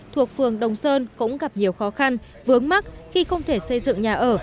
thuộc phường đồng sơn cũng gặp nhiều khó khăn vướng mắt khi không thể xây dựng nhà ở